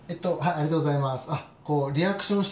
ありがとうございます。